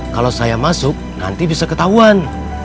kalau saya masuk nanti bisa ketahuan